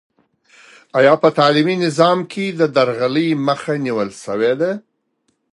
آیا په تعلیمي نظام کې د درغلۍ مخه نیول سوې ده؟